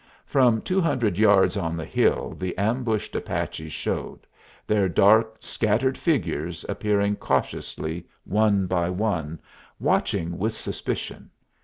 From two hundred yards on the hill the ambushed Apaches showed, their dark, scattered figures appearing cautiously one by one, watching with suspicion.